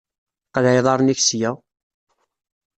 Qleɛ iḍaṛṛen-ik sya!